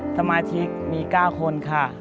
สมาชิกมี๙คน